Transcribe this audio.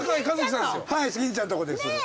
はい欽ちゃんのとこです。